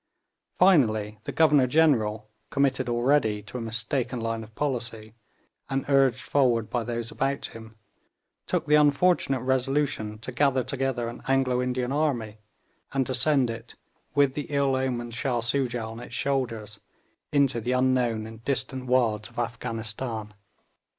Finally, the Governor General, committed already to a mistaken line of policy, and urged forward by those about him, took the unfortunate resolution to gather together an Anglo Indian army, and to send it, with the ill omened Shah Soojah on its shoulders, into the unknown and distant wilds of Afghanistan.